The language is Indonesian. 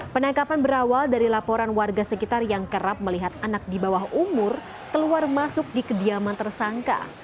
penangkapan berawal dari laporan warga sekitar yang kerap melihat anak di bawah umur keluar masuk di kediaman tersangka